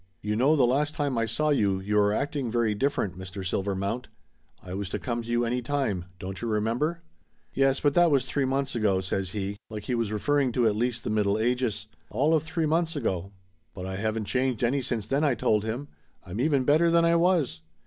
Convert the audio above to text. "You know the last time I saw you, you were acting very different, Mr. Silver 270 Laughter Limited mount. I was to come to you any time don't you remember ?" "Yes, but that was three months ago," says he, like he was referring to at least the Middle Ages. "All of three months ago !" "But I haven't changed any since then !" I told him. "I'm even better than I was.